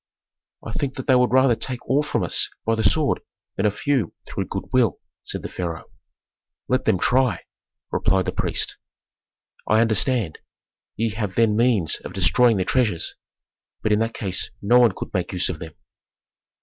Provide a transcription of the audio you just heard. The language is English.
"I think that they would rather take all from us by the sword than a few through good will," said the pharaoh. "Let them try!" replied the priest. "I understand. Ye have then means of destroying the treasures. But in that case no one could make use of them."